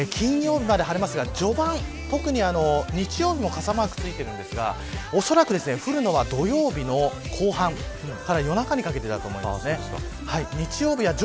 金曜日まで晴れますが、序盤特に日曜日も傘マークついているんですがおそらく降るのは土曜日の後半から夜中にかけてだと思いますね。